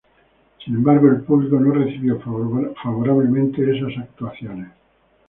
Sin embargo, el público no recibió favorablemente esas actuaciones.